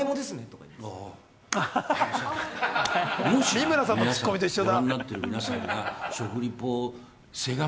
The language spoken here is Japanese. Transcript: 三村さんのツッコミと一緒だ。